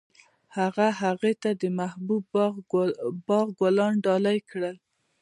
هغه هغې ته د محبوب باغ ګلان ډالۍ هم کړل.